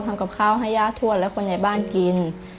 ทำกับข้าวให้ย่าทวดและคนในบ้านกิน